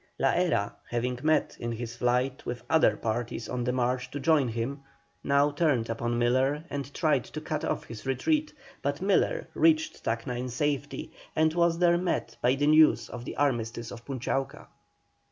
La Hera, having met in his flight with other parties on the march to join him, now turned upon Miller and tried to cut off his retreat, but Miller reached Tacna in safety, and was there met by the news of the armistice of Punchauca.